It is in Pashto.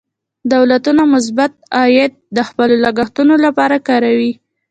دولتونه مثبت عاید د خپلو لګښتونو لپاره کاروي.